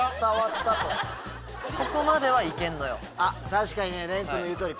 確かにね廉君の言う通り。